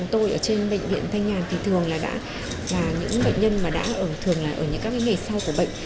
trên bệnh viện thanh nhàn thì thường là những bệnh nhân mà đã ở thường là ở những các ngày sau của bệnh